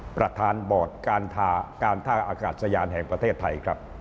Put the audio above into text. ประธานบอร์ดการท่าอากาศยานแห่งประเทศไทยครับ